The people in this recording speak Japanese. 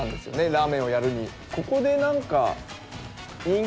ラーメンをやるに。